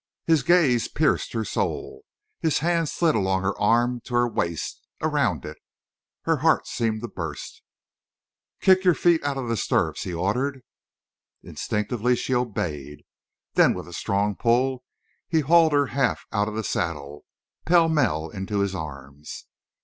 His gaze pierced her soul. His hand slid along her arm to her waist—around it. Her heart seemed to burst. "Kick your feet out of the stirrups," he ordered. Instinctively she obeyed. Then with a strong pull he hauled her half out of the saddle, pellmell into his arms.